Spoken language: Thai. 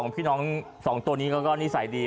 พี่น้อง๒ตัวนี้ก็นิสัยดี